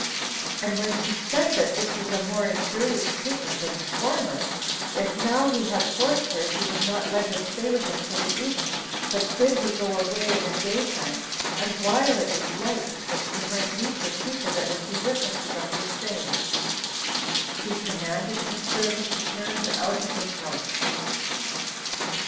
And when she said that this was a more injurious treatment than the former, if, now he had forced her, he would not let her stay with him till the evening, but bid her go away in the day time, and while it was light, that she might meet with people that would be witnesses of her shame, he commanded his servant to turn her out of his house.